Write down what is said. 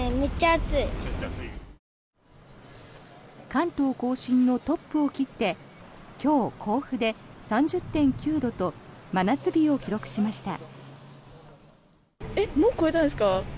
関東・甲信のトップを切って今日、甲府で３０．９度と真夏日を記録しました。